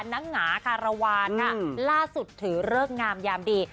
นางหงาคารวาลค่ะล่าสุดถือเลิกงามยามดี